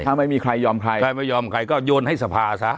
ถ้าไม่มีใครยอมใครใครไม่ยอมใครก็โยนให้สภาซะ